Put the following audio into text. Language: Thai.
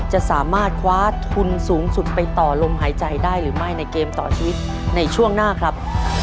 จะสามารถคว้าทุนสูงสุดไปต่อลมหายใจได้หรือไม่ในเกมต่อชีวิตในช่วงหน้าครับ